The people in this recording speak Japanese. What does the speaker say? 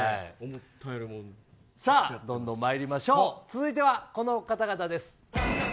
さあどんどんまいりましょう続いてはこの方々です。